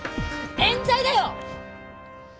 冤罪だよ！